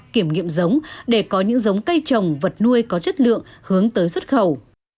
kiểm nghiệm giống để có những giống cây trồng vật nuôi có chất lượng hướng tới xuất khẩu